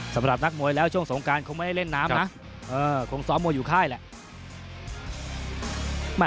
สำหรับนักมวยแล้วช่วงสงการคงไม่ได้เล่นน้ำนะคงซ้อมมวยอยู่ค่ายแหละ